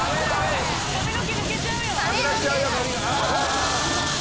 ・髪の毛抜けちゃうよ。